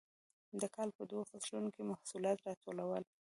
د کال په دوو فصلونو کې محصولات راټولول.